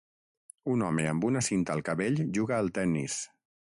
Un home amb una cinta al cabell juga al tennis.